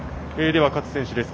では、勝選手です。